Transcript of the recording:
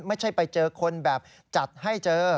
ไม่ใช่ไปเจอคนแบบจัดให้เจอ